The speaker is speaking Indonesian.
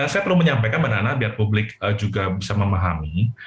saya perlu menyampaikan mbak nana biar publik juga bisa memahami